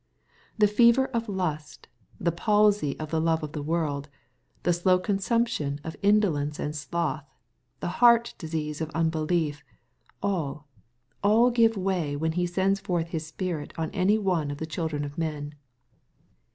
The fever of lust, the palsy of the love of the world, the slow consumption of indolence and sloth, the heart disease of unbelief, all, aU give way when he sends forth His Spirit on any one of the children of men.